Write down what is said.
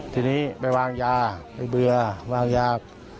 ทีนี้ไปวางยาไปเบื่อวางยา